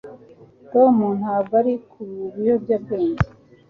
Tom ntabwo ari ku biyobyabwenge